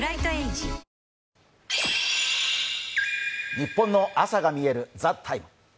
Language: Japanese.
ニッポンの朝がみえる「ＴＨＥＴＩＭＥ，」